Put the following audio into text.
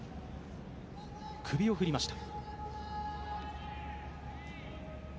首を振りました。